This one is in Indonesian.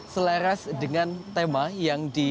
selaras dengan tema yang di